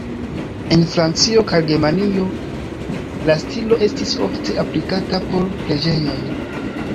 En Francio kaj Germanio la stilo estis ofte aplikata por preĝejoj.